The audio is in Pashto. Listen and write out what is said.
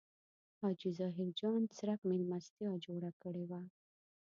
حاجي ظاهر جان څرک مېلمستیا جوړه کړې وه.